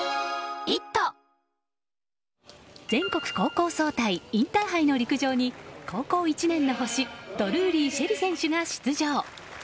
全国高校総体インターハイの陸上に高校１年の星ドルーリー朱瑛里選手が出場。